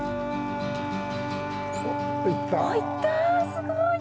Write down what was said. すごい！